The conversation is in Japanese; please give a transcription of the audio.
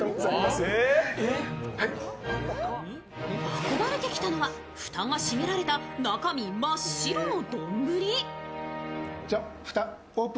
運ばれきたのは、蓋が閉められた中身真っ白の丼。